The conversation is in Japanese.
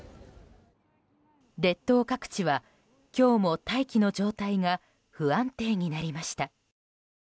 列島各地は今日も大気の状態が不安定になりました。